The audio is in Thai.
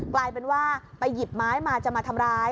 กลายเป็นว่าไปหยิบไม้มาจะมาทำร้าย